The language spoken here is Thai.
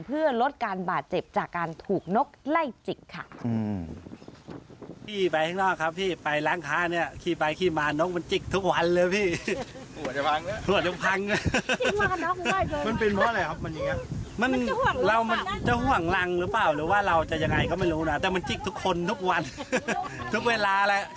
เพื่อลดการบาดเจ็บจากการถูกนกไล่จิกค่ะ